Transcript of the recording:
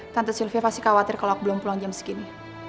tante sylvia pasti khawatir kalau belum pulang jam segini